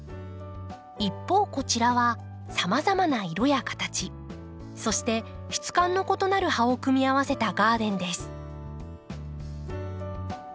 一方こちらはさまざまな色や形そして質感の異なる葉を組み合わせたガーデンです。